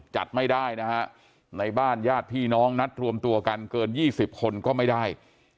จัดไม่ได้นะฮะในบ้านญาติพี่น้องนัดรวมตัวกันเกิน๒๐คนก็ไม่ได้